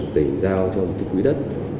tỉnh giao cho một cái quý đất